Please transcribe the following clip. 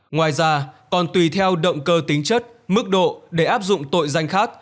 ngoài ra còn tùy theo động cơ tính chất mức độ để áp dụng tội danh khác